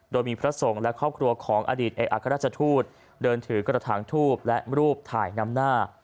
โดยมีพระสงฆ์และครอบครัวของอดีตเอกอัครราชทูตเดินถือกระถางทูบและรูปถ่ายนำหน้า